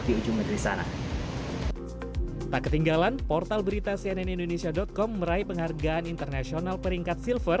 di ujungnya dari sana